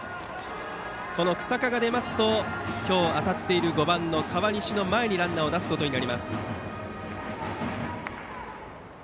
この日下が出ますと今日当たっている５番、河西の前にランナーを出すことになります。